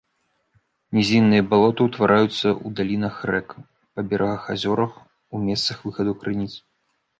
Нізінныя балоты ўтвараюцца ў далінах рэк, па берагах азёраў, у месцах выхаду крыніц.